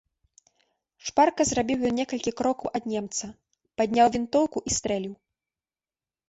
Шпарка зрабіў ён некалькі крокаў ад немца, падняў вінтоўку і стрэліў.